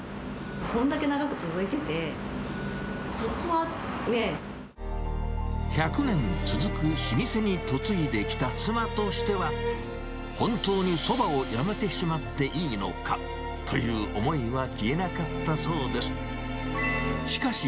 これだけ長く続いてて、そこはね。１００年続く老舗に嫁いできた妻としては、本当にそばをやめてしまっていいのかという思いは消えなかったそうです。